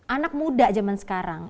anak muda zaman sekarang